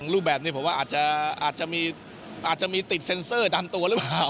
รูปแบบนี้ผมว่าอาจจะมีติดเซ็นเซอร์ดันตัวหรือเปล่า